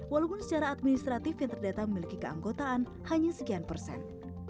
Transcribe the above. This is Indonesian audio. walaupun secara administratif yang terdata memiliki keanggotaan hanya sekian persen